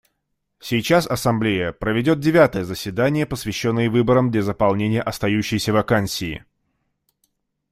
Сейчас Ассамблея проведет девятое заседание, посвященное выборам для заполнения остающейся вакансии.